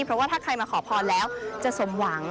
เพราะว่าถ้าใครมาขอพรแล้วจะสมหวัง